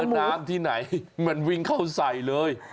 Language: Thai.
น้ำที่ไหนมันวิ่งเข้าใส่เลย